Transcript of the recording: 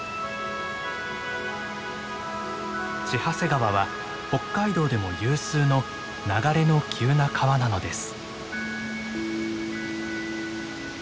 千走川は北海道でも有数の流れの急な川なのです。